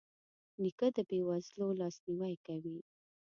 نیکه د بې وزلو لاسنیوی کوي.